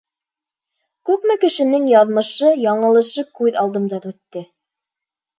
Күпме кешенең яҙмышы-яңылышы күҙ алдымдан үтте!